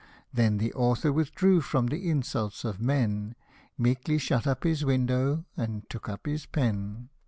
" Then the author withdrew from the insults of men, Meekly shut to his window, and took up his pen.